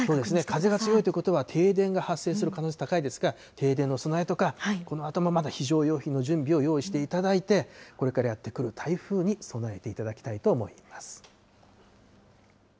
風が強いってことは、停電が発生する可能性高いですから、停電の備えとか、このあともまだ非常用品の準備を用意していただいて、これからやって来る台風に備えていただきたいと思います。